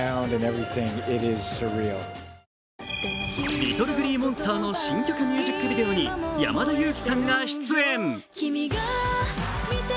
ＬｉｔｔｌｅＧｌｅｅＭｏｎｓｔｅｒの新曲ミュージックビデオに山田裕貴さんが出演。